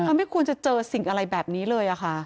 มันไม่ควรจะเจอสิ่งอะไรแบบนี้เลยค่ะ